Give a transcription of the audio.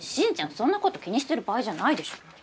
そんな事気にしてる場合じゃないでしょ。